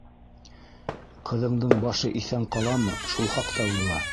Ҡыҙыңдың башы иҫән ҡаламы, шул хаҡта уйла!